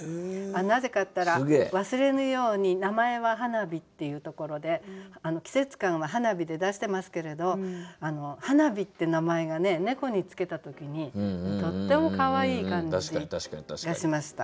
なぜかと言ったら「忘れぬように名前ははなび」っていうところで季節感は「はなび」で出してますけれど「はなび」って名前が猫に付けた時にとってもかわいい感じがしました。